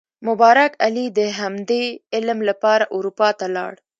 مبارک علي د همدې علم لپاره اروپا ته لاړ.